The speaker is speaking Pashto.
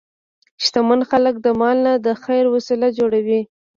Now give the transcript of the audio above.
شتمن خلک د مال نه د خیر وسیله جوړوي.